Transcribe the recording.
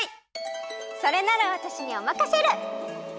それならわたしにおまかシェル！